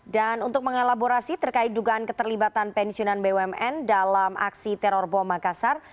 dan untuk mengelaborasi terkait dugaan keterlibatan pensiunan bumn dalam aksi teror bom makassar